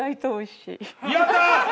やったー！